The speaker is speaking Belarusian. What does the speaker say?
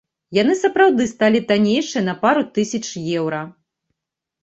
Яны сапраўды сталі таннейшыя на пару тысяч еўра.